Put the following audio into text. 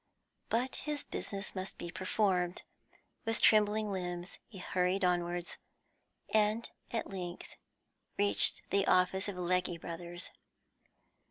But his business must be performed; with trembling limbs he hurried onwards, and at length reached the office of Legge Brothers.